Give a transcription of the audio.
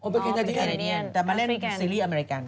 อ๋อเป็นแคนาเดียนแต่มาเล่นซีรีส์อเมริกัน